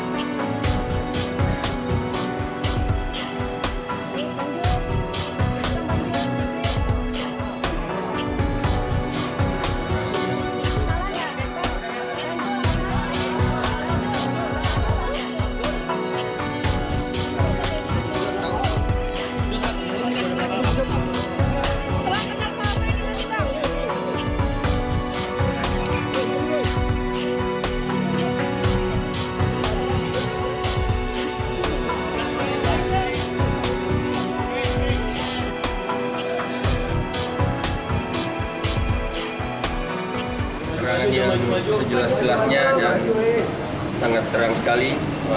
terang yang sejelas jelasnya dan sangat terang sekali